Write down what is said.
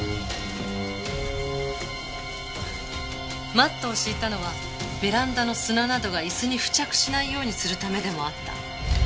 マットを敷いたのはベランダの砂などが椅子に付着しないようにするためでもあった。